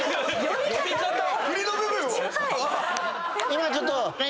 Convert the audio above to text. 今ちょっと。